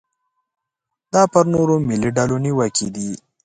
دا پر نورو ملي ډلو نیوکې دي.